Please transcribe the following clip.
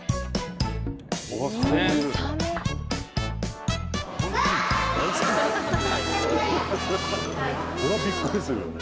それはびっくりするよね。